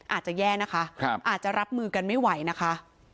อาจจะแย่นะคะอาจจะรับมือกันไม่ไหวนะคะ